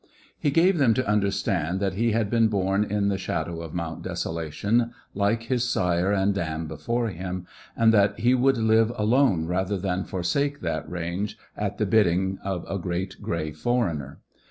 He gave them to understand that he had been born in the shadow of Mount Desolation, like his sire and dam before him, and that he would live alone rather than forsake that range at the bidding of a great grey foreigner.